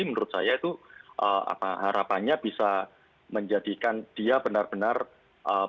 menurut saya itu harapannya bisa menjadikan dia benar benar berhasil